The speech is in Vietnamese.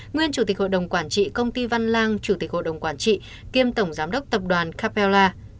nguyên chủ tịch hội đồng quản trị công ty văn lang chủ tịch hội đồng quản trị kiêm tổng giám đốc tập đoàn capella